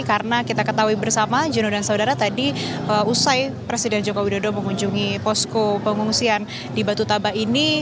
karena kita ketahui bersama jurnal dan saudara tadi usai presiden jokowi dodo mengunjungi posko pengungsian di batu taba ini